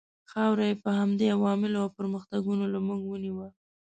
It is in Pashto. خاورې یې په همدې علومو او پرمختګونو له موږ ونیوې.